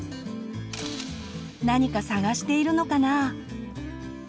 何か探しているのかな？